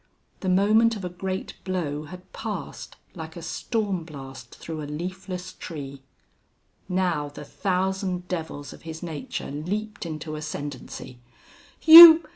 The moment of a great blow had passed, like a storm blast through a leafless tree. Now the thousand devils of his nature leaped into ascendancy. "You!